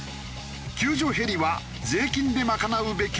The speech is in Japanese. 救助ヘリは税金で賄うべき？